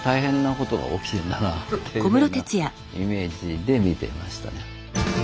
っていうふうなイメージで見てましたね。